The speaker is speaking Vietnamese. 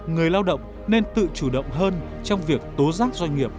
người lao động nên tự chủ động hơn trong việc tố giác doanh nghiệp